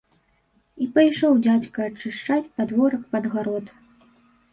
І пайшоў дзядзька ачышчаць падворак пад гарод.